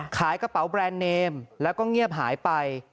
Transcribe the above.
ขายกระเป๋าแบรนด์เนมแล้วก็เงียบหายไป